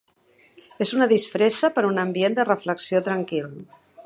És una disfressa per a un ambient de reflexió tranquil.